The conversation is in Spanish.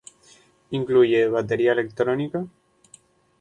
Incluye batería electrónica.